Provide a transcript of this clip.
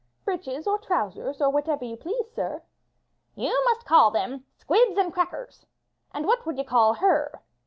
''Breeches or trousers, or whatever you please, sir." "You must call them 'squibs and crackers.' And what would you call her?"